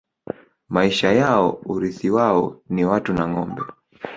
Maisha yao urithi wao ni watu na ngombe